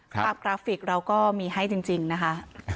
กราฟิกเราก็มีให้จริงนะคะ